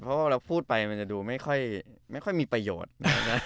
เพราะว่าเราพูดไปมันจะดูไม่ค่อยมีประโยชน์นะ